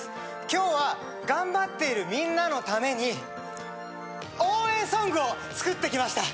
今日は頑張っているみんなのために応援ソングを作ってきました